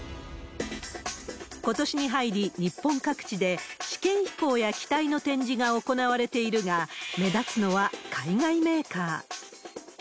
ことしに入り、日本各地で試験飛行や機体の展示が行われているが、目立つのは海外メーカー。